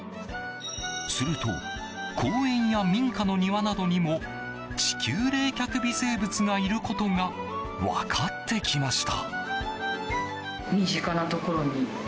すると、公園や民家の庭などにも地球冷却微生物がいることが分かってきました。